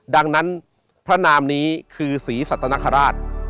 ดังนั้นพระนามนี้คือศรีสัตนคราช